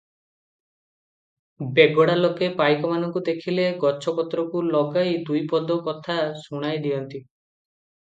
ବେଗଡ଼ା ଲୋକେ ପାଇକମାନଙ୍କୁ ଦେଖିଲେ ଗଛ ପତ୍ରକୁ ଲଗାଇ ଦୁଇପଦ କଥା ଶୁଣାଇଦିଅନ୍ତି ।